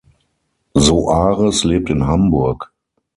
Soares lebt in Hamburg.